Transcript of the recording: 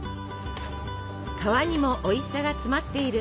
皮にもおいしさが詰まっている！